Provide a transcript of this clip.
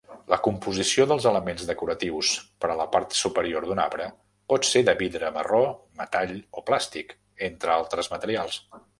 La composició dels elements decoratius per a la part superior d'un arbre pot ser de vidre marró, metall o plàstic, entre altres materials.